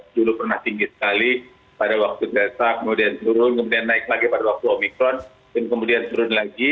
dulu pernah tinggi sekali pada waktu delta kemudian turun kemudian naik lagi pada waktu omikron dan kemudian turun lagi